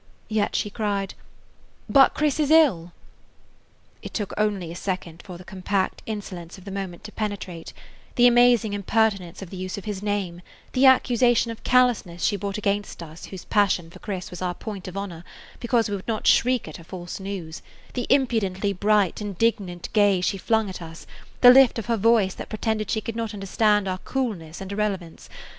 Yet she cried: "But Chris is ill!" It took only a second for the compact insolence of the moment to penetrate, the amazing impertinence of the use of his name, the accusation of callousness she brought against us whose passion for Chris was our point of honor, because we would not shriek at her false news, the impudently bright, indignant gaze she flung at us, the lift of her voice that pretended she could not understand our coolness and irrelevance.